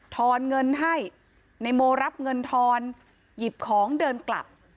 อนเงินให้นายโมรับเงินทอนหยิบของเดินกลับ